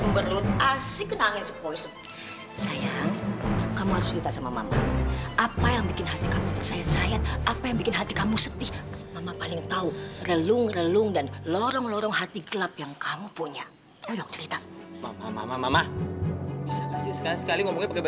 bisa kasih sekali sekali ngomongnya pakai bahasa indonesia